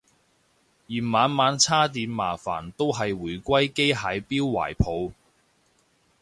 嫌晚晚叉電麻煩都係回歸機械錶懷抱